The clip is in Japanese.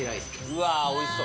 うわー、おいしそう。